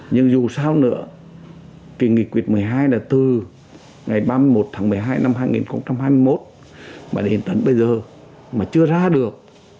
nhưng dù sao nữa cái nghị quyết một mươi hai là từ ngày ba mươi một tháng một mươi hai năm hai nghìn hai mươi một mà đến tận bây giờ mà chưa ra được